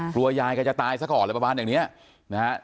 กลัวยายก็จะตายซะก่อนประมาณอย่างนี้นะครับ